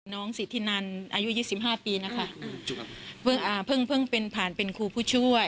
สิทธินันอายุยี่สิบห้าปีนะคะเพิ่งอ่าเพิ่งเพิ่งเป็นผ่านเป็นครูผู้ช่วย